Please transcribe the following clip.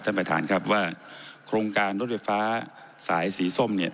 ท่านประธานครับว่าโครงการรถไฟฟ้าสายสีส้มเนี่ย